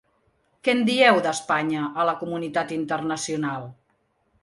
Què en dieu, d’Espanya a la comunitat internacional?